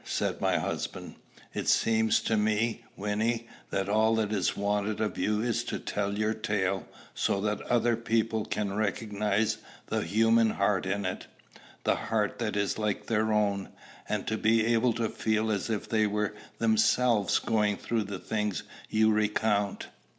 said my husband. "It seems to me, Wynnie, that all that is wanted of you is to tell your tale so that other people can recognize the human heart in it, the heart that is like their own, and be able to feel as if they were themselves going through the things you recount."